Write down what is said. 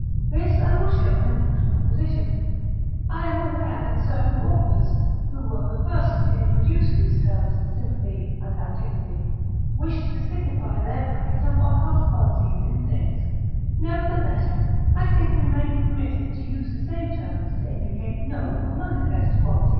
This I will show in the next Prop. I am aware that certain authors, who were the first to introduce these terms "sympathy" and "antipathy," wished to signify thereby some occult qualities in things; nevertheless I think we may be permitted to use the same terms to indicate known or manifest qualities.